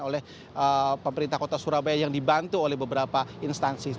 oleh pemerintah kota surabaya yang dibantu oleh beberapa instansi